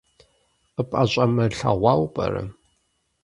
КъыпӀэщӀэмылъэгъуауэ пӀэрэ?